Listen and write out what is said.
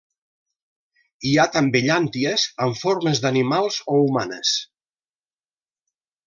Hi ha també llànties amb formes d'animals o humanes.